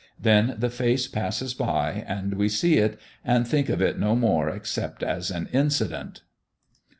Then the face passes by and we see it and think of it no more except as an incident.